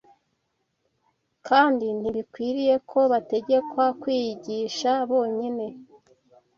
kandi ntibikwiriye ko bategekwa kwiyigisha bonyine